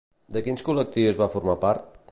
De quins col·lectius va formar part?